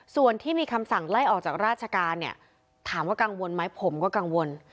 ส่วนที่มีคำสั่งไล่ออกจากราชการเนี่ยถามว่ากังวลไหมผมก็กังวล